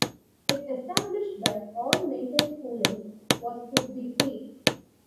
It established that all maintained schooling was to be free.